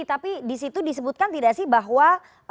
tapi disitu disebutkan tidak sih bahwa